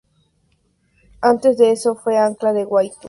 Antes de eso fue ancla de Way Too Early y colaborador de Morning Joe.